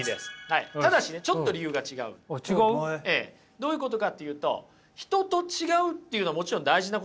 どういうことかっていうと人と違うっていうのはもちろん大事なことだと思いますよ。